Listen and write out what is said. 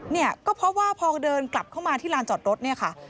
เนี่ยก็เพราะว่าพอเดินกลับเข้ามาที่ลานจอดรถเนี่ยค่ะ